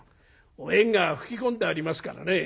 お縁側拭き込んでありますからね。